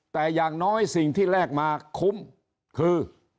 แต่อย่างน้อยสิ่งที่แลกมาคุ้มคือ